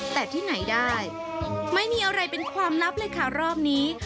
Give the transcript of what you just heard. แต่ที่ไหนได้ไม่มีอะไรเป็นความลับเลยค่ะรอบนี้